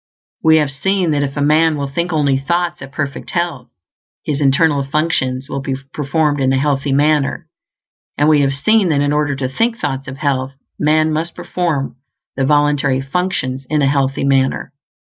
We have seen that if man will think only thoughts of perfect health, his internal functions will be performed in a healthy manner; and we have seen that in order to think thoughts of health, man must perform the voluntary functions in a healthy manner.